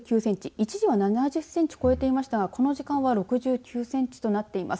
一時は７０センチを超えていましたがこの時間は６９センチとなっています。